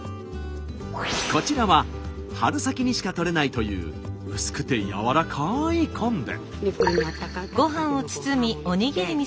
こちらは春先にしか採れないという薄くてやわらかい昆布。